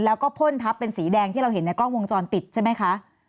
แล้วก็พ่นทับเป็นสีแดงที่เราเห็นในกล้องวงจรปิดใช่ไหมคะ